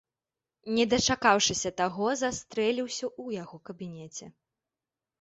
Не дачакаўшыся таго, застрэліўся ў яго кабінеце.